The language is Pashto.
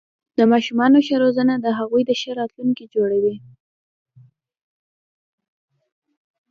د ماشومانو ښه روزنه د هغوی ښه راتلونکې جوړوي.